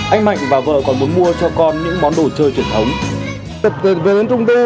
anh mạnh và vợ còn muốn mua cho con những món đồ chơi truyền thống đê